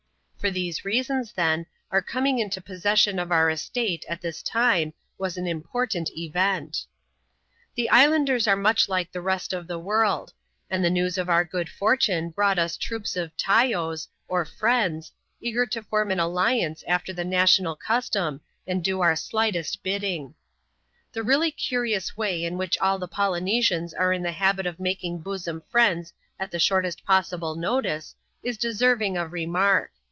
For these reasons, then, our coming inta possession of our estate at this time, was an important event The islanders are much like the rest of the world ; and the news of our good fortune brought us troops of tajos" or friends, eager to form an alliance after the national custom, and do our slightest bidding. The really curious way in which all the Poljmesians are in the habit of making bosom friends at the shortest possible notice, is deserving of remark.